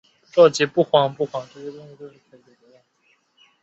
一个失纵了的昴贵鹰雕像。